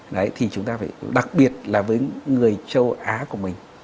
đấy thì chúng ta phải đặc biệt là với người châu á của mình